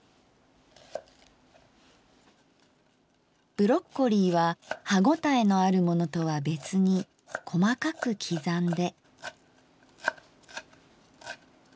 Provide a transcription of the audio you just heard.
ブロッコリーは歯応えのあるものとは別に細かく刻んで。